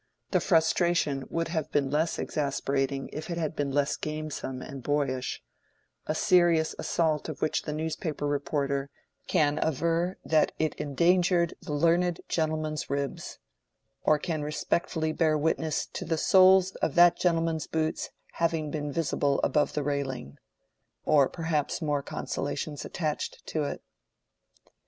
The frustration would have been less exasperating if it had been less gamesome and boyish: a serious assault of which the newspaper reporter "can aver that it endangered the learned gentleman's ribs," or can respectfully bear witness to "the soles of that gentleman's boots having been visible above the railing," has perhaps more consolations attached to it.